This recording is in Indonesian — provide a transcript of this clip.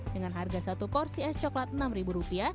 dengan harga satu porsi es coklat rp enam